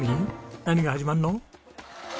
何が始まるの？